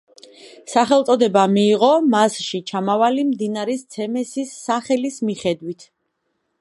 სახელწოდება მიიღო მასში ჩამავალი მდინარის ცემესის სახელის მიხედვით.